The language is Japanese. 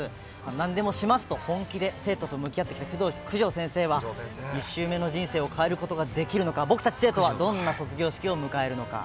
なんでもしますと本気で生徒と向き合ってきた九条先生は１周目の人生を変えることができるのか、僕たち生徒はどんな卒業式を迎えるのか。